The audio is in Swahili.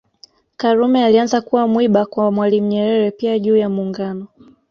karume alianza kuwa mwiba kwa Mwalimu Nyerere pia juu ya Muungano